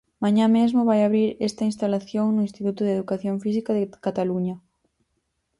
Mañá mesmo vai abrir esta instalación no Instituto de Educación Física de Cataluña.